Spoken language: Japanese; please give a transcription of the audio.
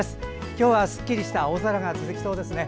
今日はすっきりした青空が続きそうですね。